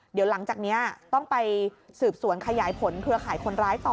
เดี๋ยวหลังจากนี้ต้องไปสืบสวนขยายผลเครือข่ายคนร้ายต่อ